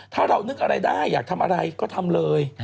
ถ้าเรานึกอะไรได้อยากทำอะไรก็ทำเลย